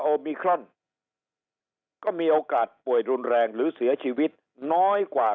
มิครอนก็มีโอกาสป่วยรุนแรงหรือเสียชีวิตน้อยกว่า